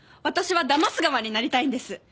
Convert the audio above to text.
私はだます側になりたいんです。